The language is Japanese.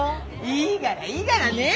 いいがらいいがらねえ。